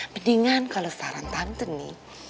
mendingan kalau sekarang tante nih